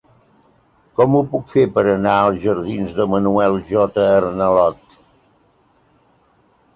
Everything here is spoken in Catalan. Com ho puc fer per anar als jardins de Manuel J. Arnalot?